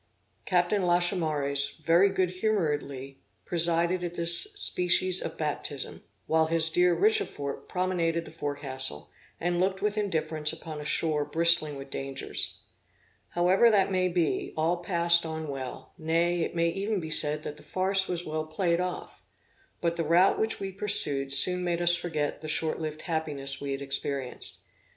Captain Lachaumareys very good humoredly presided at this species of baptism, while his dear Richefort promenaded the forecastle, and looked with indifference upon a shore bristling with dangers. However that may be, all passed on well; nay, it may even be said that the farce was well played off. But the route which we pursued soon made us forget the short lived happiness we had experienced.